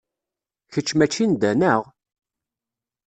Kečč mačči n da, naɣ?